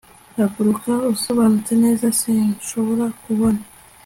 Haguruka usobanutse neza sinshobora kubona